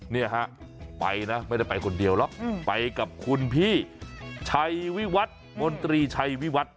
เนี่ยฮะไปนะไม่ได้ไปคนเดียวหรอกไปกับคุณพี่ชัยวิวัฒน์มนตรีชัยวิวัตร